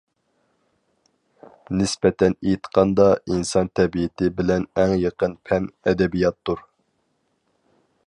نىسبەتەن ئېيتقاندا، ئىنسان تەبىئىتى بىلەن ئەڭ يېقىن پەن ئەدەبىياتتۇر.